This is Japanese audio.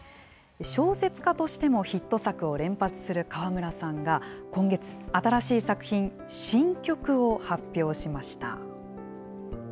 小説家としてもヒット作を連発する川村さんが、今月、新しい作品、神曲を発表しました。